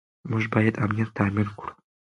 موږ باید امنیت تامین کړو.